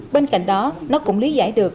bên cạnh đó nó cũng lý giải được